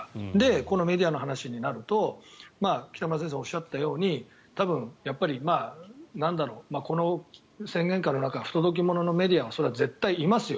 このメディアの話になると北村先生がおっしゃったように多分、この宣言下の中不届き者のメディアはそれは絶対にいますよ。